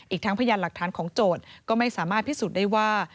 อีกทั้งพยานหลักฐานของโจทย์ก็ไม่สามารถพิสูจน์ได้ว่า